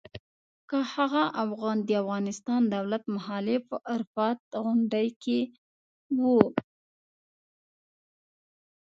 که هغه د افغانستان دولت مخالف په عرفات غونډۍ کې و.